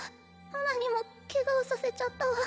ママにもケガをさせちゃったわ